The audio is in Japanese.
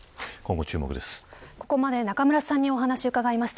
ここまで中村さんの話を伺いました。